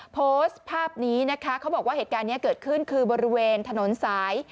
โพสต์ภาพนี้นะคะเขาบอกว่าเหตุการณ์นี้เกิดขึ้นคือบริเวณถนนสาย